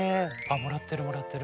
もらってるもらってる。